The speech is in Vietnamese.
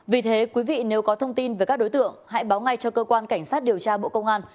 vì thế quý vị nếu có thông tin về các đối tượng hãy báo ngay cho cơ quan cảnh sát điều tra bộ công an